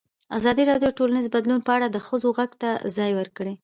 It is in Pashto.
ازادي راډیو د ټولنیز بدلون په اړه د ښځو غږ ته ځای ورکړی.